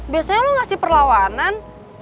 biasanya lo ngasih perlawanan